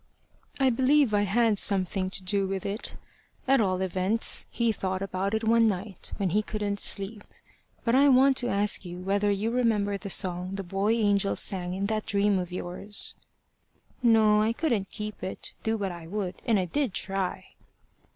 "I believe I had something to do with it. At all events he thought about it one night when he couldn't sleep. But I want to ask you whether you remember the song the boy angels sang in that dream of yours." "No. I couldn't keep it, do what I would, and I did try."